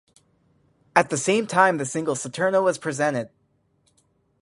At the same time the single "Saturno" was presented.